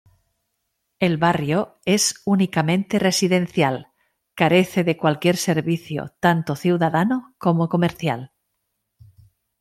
El barrio es únicamente residencial, carece de cualquier servicio tanto ciudadano como comercial.